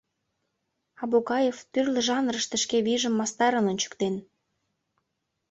Абукаев тӱрлӧ жанрыште шке вийжым мастарын ончыктен.